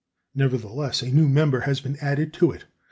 Nevertheless, a new member has been added to it.